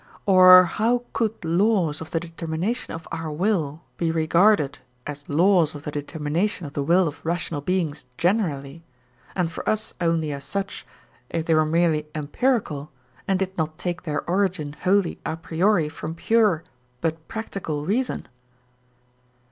Or how could laws of the determination of our will be regarded as laws of the determination of the will of rational beings generally, and for us only as such, if they were merely empirical and did not take their origin wholly a priori from pure but practical reason?